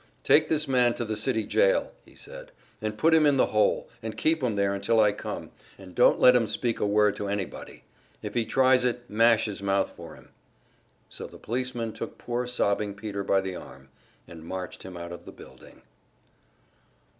"Take this man to the city jail," he said, "and put him in the hole, and keep him there until I come, and don't let him speak a word to anybody. If he tries it, mash his mouth for him." So the policeman took poor sobbing Peter by the arm and marched him out of the building.